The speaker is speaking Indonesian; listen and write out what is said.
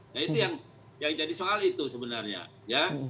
nah itu yang jadi soal itu sebenarnya ya